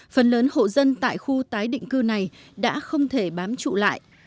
phần lớn hộ dân tại khu tái định cư này đã không thể bám trụ lại